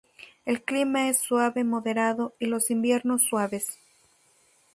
El clima es suave-moderado y los inviernos suaves.